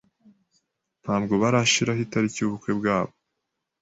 Ntabwo barashiraho itariki yubukwe bwabo.